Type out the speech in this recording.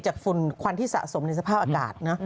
ฝุ่นควันที่สะสมในสภาพอากาศนะ